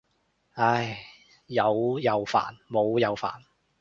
唉，有又煩冇又煩。